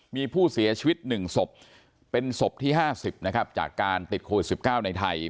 มีผู้เสียชีวิต๑ศพเป็นศพที่๕๐นะครับจากการติดโควิด๑๙ในไทย